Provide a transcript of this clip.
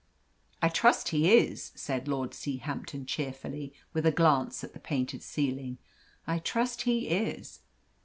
"I trust he is," said Lord Seahampton, cheerfully, with a glance at the painted ceiling. "I trust he is."